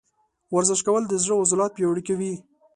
ورزش کول د زړه عضلات پیاوړي کوي.